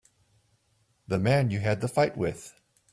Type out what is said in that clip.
The man you had the fight with.